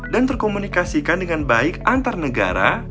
dan terkomunikasikan dengan baik antar negara